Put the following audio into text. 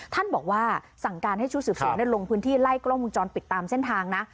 ท่านบอกว่าสั่งการให้ชุดสืบสวนลงพื้นที่ไล่กล้องมุมจรปิดตามเส้นทางนะ